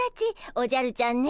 おじゃるちゃんね